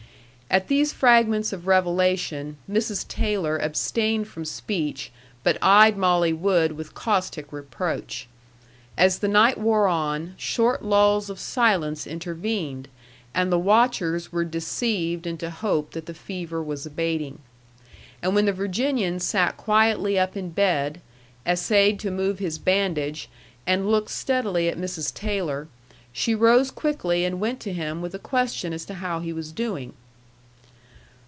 At these fragments of revelation Mrs. Taylor abstained from speech, but eyed Molly Wood with caustic reproach. As the night wore on, short lulls of silence intervened, and the watchers were deceived into hope that the fever was abating. And when the Virginian sat quietly up in bed, essayed to move his bandage, and looked steadily at Mrs. Taylor, she rose quickly and went to him with a question as to how he was doing.